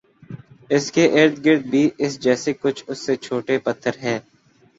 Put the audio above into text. اس کے ارد گرد بھی اس جیسے کچھ اس سے چھوٹے پتھر ہیں